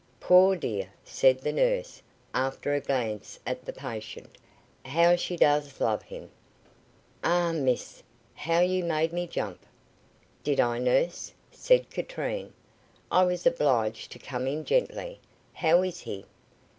"Poor dear!" said the nurse, after a glance at the patient, "how she does love him! Ah, miss, how you made me jump!" "Did I, nurse?" said Katrine. "I was obliged to come in gently. How is he?"